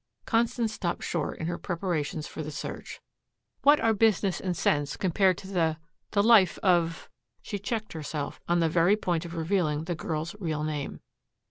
Constance stopped short in her preparations for the search. "What are business and sense compared to the the life of " She checked herself on the very point of revealing the girl's real name.